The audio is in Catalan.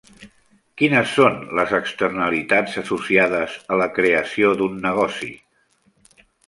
Quines són les externalitats associades a la creació d'un negoci?